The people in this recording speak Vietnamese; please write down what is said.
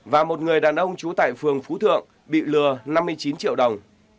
và một người đàn ông trú tại phường phú thượng bị lừa năm mươi chín triệu đồng